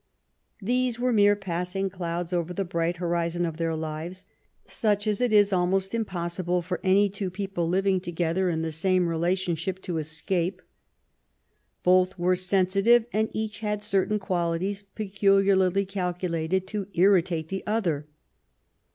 These were mere passing clouds over the bright horizon of their lives, such as it is almost impossible for any two people living together in the same relation ship to escape. Both were sensitive, and each had certain qualities peculiarly calculated to irritate the other.